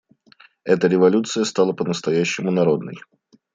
Эта революция стала по-настоящему народной.